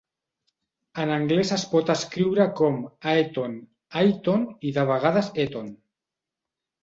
En anglès es pot escriure com "Aethon", "Aithon" i de vegades "Ethon".